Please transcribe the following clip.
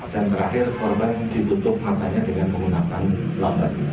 dan terakhir korban ditutup matanya dengan menggunakan lakban